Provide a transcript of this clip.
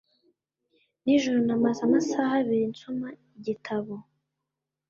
Nijoro namaze amasaha abiri nsoma igitabo